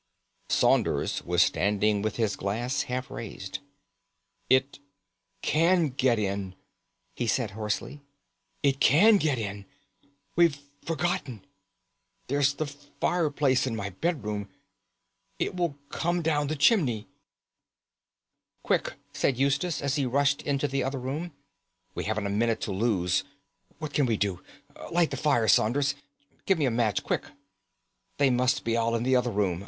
Saunders was standing with his glass half raised. "It can get in," he said hoarsely; "it can get in! We've forgotten. There's the fireplace in my bedroom. It will come down the chimney." "Quick!" said Eustace, as he rushed into the other room; "we haven't a minute to lose. What can we do? Light the fire, Saunders. Give me a match, quick!" "They must be all in the other room.